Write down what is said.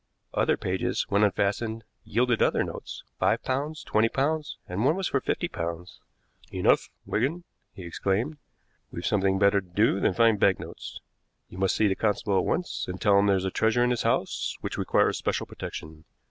Other pages, when unfastened, yielded other notes five pounds, twenty pounds, and one was for fifty pounds. "Enough, Wigan!" he exclaimed. "We've something better to do than find bank notes. You must see the constable at once, and tell him there is treasure in this house which requires special protection.